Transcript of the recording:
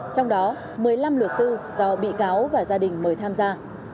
trong đó một mươi năm luật sư do bị cáo và gia đình mời tham gia